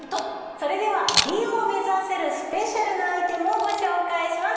それでは美を目指せるスペシャルなアイテムをご紹介します。